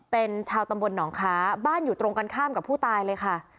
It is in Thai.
เป็นชาวตำบลหนองค้าบ้านอยู่ตรงกันข้ามกับผู้ตายเลยค่ะ